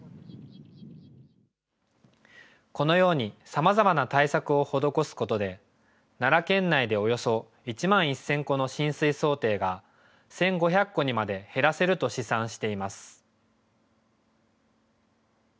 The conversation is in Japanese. このようにさまざまな対策を施すことで、奈良県内でおよそ１万１０００戸の浸水想定が、１５００戸にまで減らせると試算しています。